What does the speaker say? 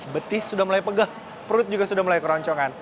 betis sudah mulai pegah perut juga sudah mulai keroncongan